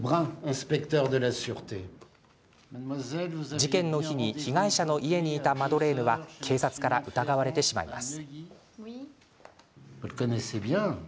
事件の日に被害者の家にいたマドレーヌは警察から疑われてしまいます。